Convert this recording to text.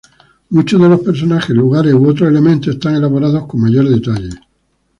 Muchos de los personajes, lugares, u otros elementos están elaborados con mayor detalle.